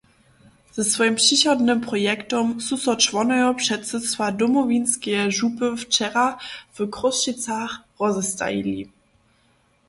Ze swojim přichodnym projektom su so čłonojo předsydstwa Domowinskeje župy wčera w Chrósćicach rozestajeli.